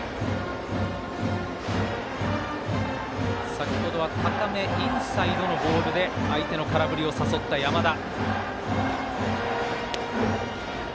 先ほどは高めインサイドのボールで相手の空振りを誘った山田。